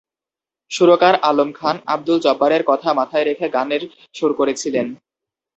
সুরকার আলম খান আব্দুল জব্বারের কথা মাথায় রেখে গানের সুর করেছিলেন।